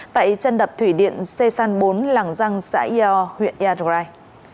tại chân đập thủy điện c san bốn làng răng xã yèo huyện yà rồi